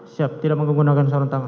siap tidak menggunakan sarung tangan